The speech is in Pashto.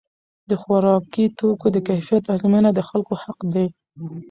د خوراکي توکو د کیفیت ازموینه د خلکو حق دی.